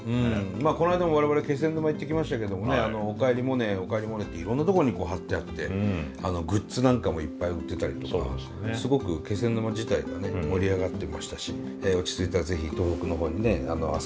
まあこの間も我々気仙沼行ってきましたけどもね「おかえりモネ」「おかえりモネ」っていろんなとこにこう貼ってあってグッズなんかもいっぱい売ってたりとかすごく気仙沼自体がね盛り上がってましたし落ち着いたら是非東北の方にね遊びに来てほしいなと思いますよ。